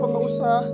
ini ga usah